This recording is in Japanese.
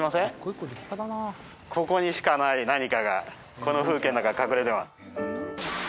ここにしかない何かがこの風景の中に隠れてます。